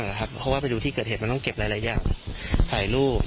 เพราะว่าไปดูที่เกิดเหตุมันต้องเก็บหลายอย่างถ่ายรูป